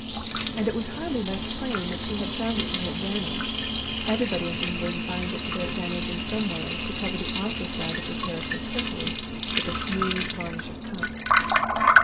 And it was hardly less plain that she had found it to her advantage everybody in England finds it to their advantage in some way to cover the outer side of her character carefully with a smooth varnish of Cant.